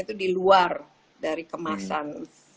itu di luar dari kemasan